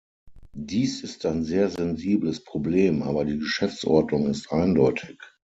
Dies ist ein sehr sensibles Problem, aber die Geschäftsordnung ist eindeutig.